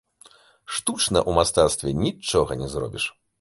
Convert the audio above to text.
Штучна ў мастацтве нічога не зробіш.